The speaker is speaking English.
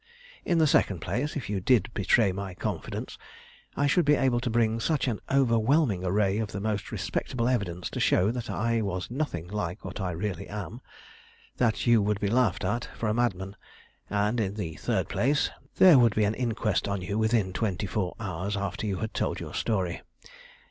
"In the second place, if you did betray my confidence, I should be able to bring such an overwhelming array of the most respectable evidence to show that I was nothing like what I really am, that you would be laughed at for a madman; and, in the third place, there would be an inquest on you within twenty four hours after you had told your story.